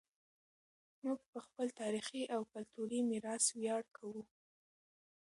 موږ په خپل تاریخي او کلتوري میراث ویاړ کوو.